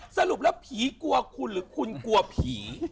สรุปแล้วผีกลัวคุณหรือคุณกลัวผี